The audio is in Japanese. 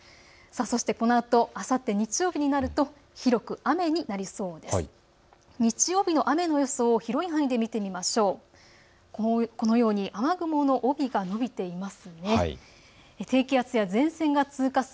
このあとあさって日曜日になると広く雨になりそうです。